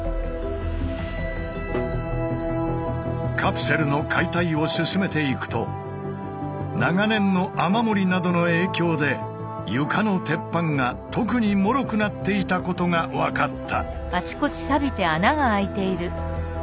カプセルの解体を進めていくと長年の雨漏りなどの影響で床の鉄板が特にもろくなっていたことが分かった。